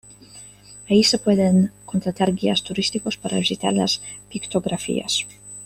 Allí se pueden contratar guías turísticos para visitar las pictografías.